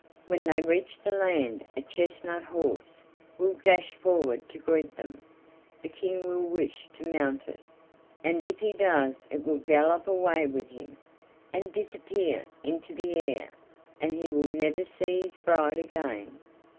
When they reach the land a chestnut horse will dash forward to greet them: the King will wish to mount it, and if he does it will gallop away with him, and disappear into the air, and he will never see his bride again."